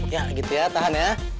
ya gitu ya tahan ya